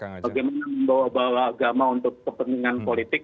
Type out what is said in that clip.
bagaimana membawa bawa agama untuk kepentingan politik